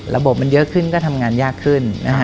ระบบมันเยอะขึ้นก็ทำงานยากขึ้น